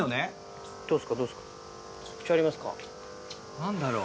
何だろう？